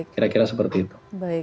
kira kira seperti itu